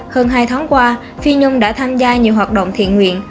hơn hai tháng qua phi nhung đã tham gia nhiều hoạt động thiện nguyện